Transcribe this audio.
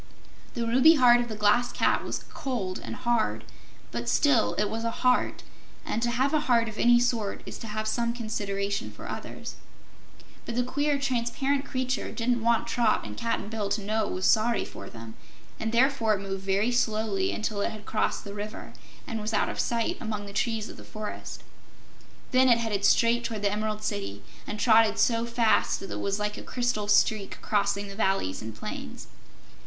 The ruby heart of the Glass Cat was cold and hard, but still it was a heart, and to have a heart of any sort is to have some consideration for others. But the queer transparent creature didn't want Trot and Cap'n Bill to know it was sorry for them, and therefore it moved very slowly until it had crossed the river and was out of sight among the trees of the forest. Then it headed straight toward the Emerald City, and trotted so fast that it was like a crystal streak crossing the valleys and plains.